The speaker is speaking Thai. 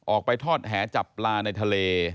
ออกไปทอดแหจับปลาในทะเล